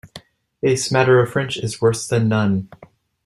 A smatter of French is worse than none.